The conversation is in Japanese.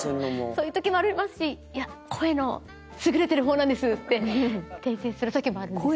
そういう時もありますし「いや声の優れてる方なんです」って訂正する時もあるんですけど。